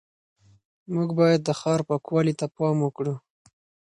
موږ باید د ښار پاکوالي ته پام وکړو